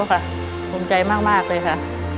ขอบคุณค่ะภูมิใจมากเลยค่ะ